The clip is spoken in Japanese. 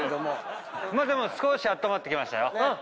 まあでも少しあったまってきましたよ。